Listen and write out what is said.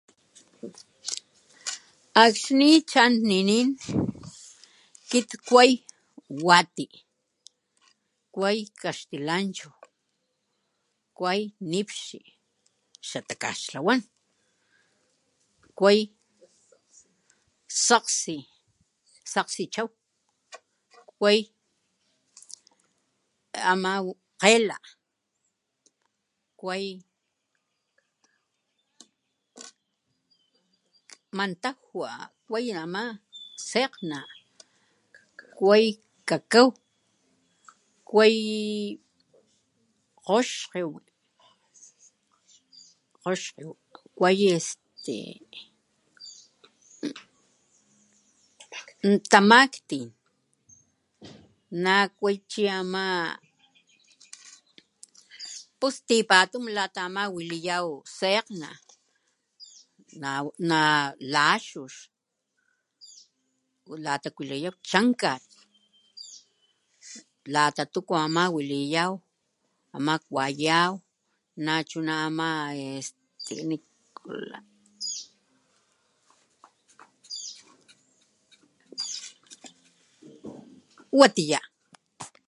Akxni chan ninin akit kuay wati kuay kaxtilanchu kuay nipxi xatakaxtlawan kuay sakgsi sakgsi chaw kuay ama kgela kuay ama mantajwa kuay ama sekgana kuay jkakaw kuay kgoxkiwi kgoxkiwi kuay este tamaktin nakuy chi ama pos tipatun lata ama wi waliyaw sekgna nalaxux lata kualiyaw chankat lata tuku ama waliyaw ama kuayaw nachu ama este waliyaw watiya.